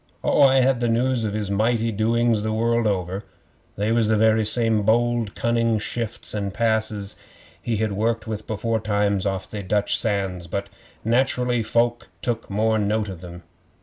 Oh, I had the news of his mighty doings the world over. They was the very same bold, cunning shifts and passes he'd worked with beforetimes off they Dutch sands, but, naturally, folk took more note of them.